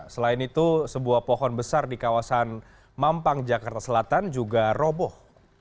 selain itu sebuah pohon besar di kawasan mampang jakarta selatan juga roboh